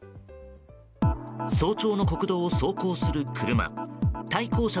早朝の国道を走行する車。